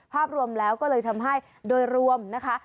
ภาพรวมแล้วก็เลยทำให้โดยรวมนะคะ